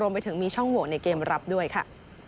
โรงไปถึงมีช่องโหวอยู่ในเกมท์รับด้วยค่ะ